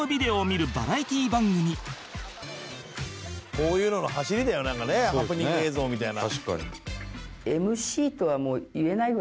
こういうののはしりだよなんかねハプニング映像みたいな。